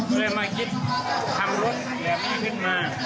ก็เลยมาคิดทำรถแต่ไม่ได้ขึ้นมา